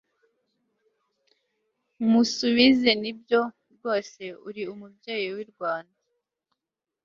musubizenibyo rwose uri umubyeyi w'i rwanda